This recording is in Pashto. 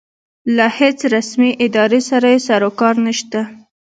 له هېڅ رسمې ادارې سره یې سروکار نشته.